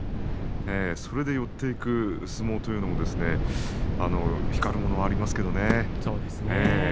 それで寄っていく相撲というのも光るもの、ありますけどね。